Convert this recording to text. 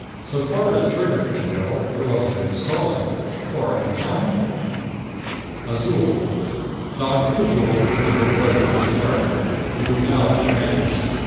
So far as Trigger could tell, there wasn't any stalling. Or any time for it. Azol: Doctor Azol had been her boy from the start. He was now on Tranest.